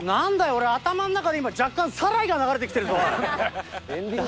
俺頭の中で今若干『サライ』が流れてきてるぞおい。